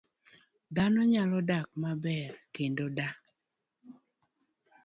Dhano nyalo dak maber kendo da